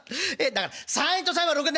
「だから３円と３円は６円」。